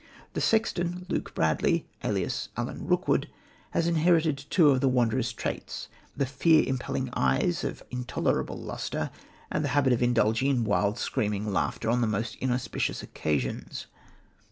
The sexton, Luke Bradley, alias Alan Rookwood, has inherited two of the Wanderer's traits the fear impelling eyes of intolerable lustre, and the habit of indulging in wild, screaming laughter on the most inauspicious occasions.